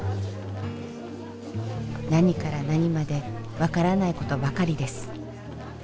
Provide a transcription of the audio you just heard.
何から何まで分からないことばかりです。